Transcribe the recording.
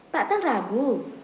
pak tan ragu